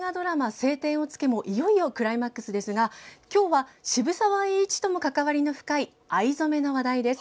「青天を衝け」もいよいよクライマックスですが今日は渋沢栄一とも関わりの深い藍染めの話題です。